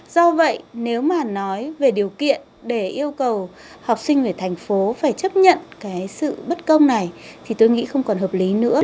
do vậy nếu mà nói về điều kiện để yêu cầu học sinh ở thành phố phải chấp nhận cái sự bất công này thì tôi nghĩ không còn hợp lý nữa